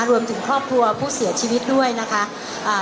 รวมถึงครอบครัวผู้เสียชีวิตด้วยนะคะอ่า